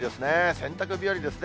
洗濯日和ですね。